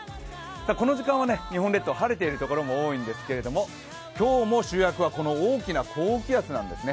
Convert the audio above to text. この時間は日本列島晴れているところも多いんですが今日も主役はこの大きな高気圧なんですね。